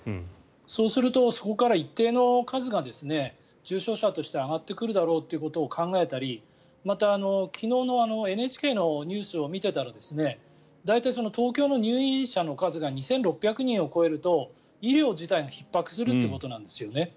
そうすると、そこから一定の数が重症者として上がってくるだろうということを考えたりまた、昨日のＮＨＫのニュースを見てたら大体、東京の入院者の数が２６００人を超えると医療自体がひっ迫するということなんですよね。